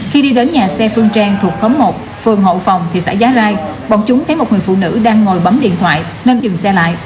khi đi đến nhà xe phương trang thuộc khóm một phường hậu phòng thị xã giá rai bọn chúng thấy một người phụ nữ đang ngồi bấm điện thoại nên dừng xe lại